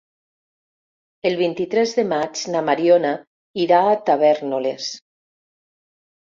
El vint-i-tres de maig na Mariona irà a Tavèrnoles.